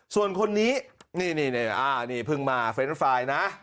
ส่วนคนนี้นี่เพิ่งมาเฟรนด์ไฟล์นะ